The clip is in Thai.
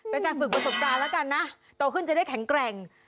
เป็นการฝึกประสบการณ์แล้วกันนะโตขึ้นจะได้แข็งแกร่ง